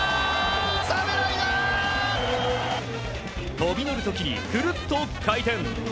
飛び乗る時に、くるっと回転。